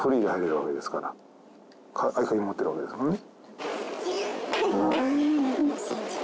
合鍵持ってるわけですもんね。